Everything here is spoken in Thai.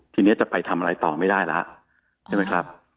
ทีนี้จะไปทำอะไรต่อไม่ได้แล้วใช่ไหมครับ